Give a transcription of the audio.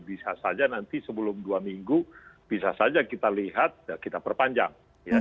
bisa saja nanti sebelum dua minggu bisa saja kita lihat kita perpanjang